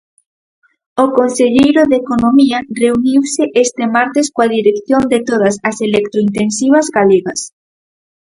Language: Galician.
O conselleiro de Economía reuniuse este martes coa dirección de todas as electrointensivas galegas.